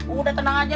udah tenang aja